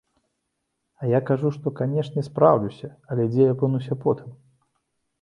А я кажу, што, канечне, спраўлюся, але дзе я апынуся потым?